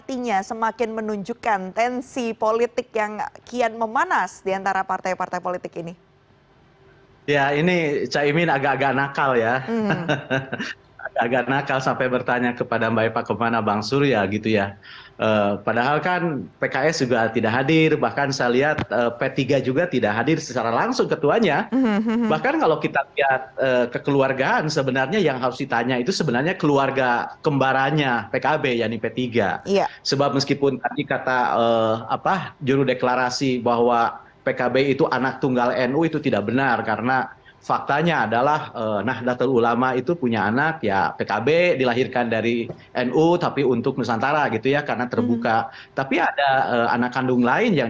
ini menurut saya syarat sahnya syarat sahnya perwujudan fatwa itu amanah itu akan berhasil